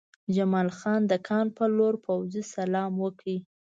جمال خان د کان په لور پوځي سلام وکړ